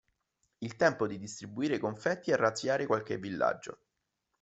Il tempo di distribuire i confetti e razziare qualche villaggio.